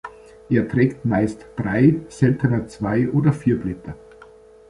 Er trägt meist drei, seltener zwei oder vier Blätter.